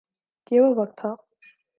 یہ وہ وقت تھا۔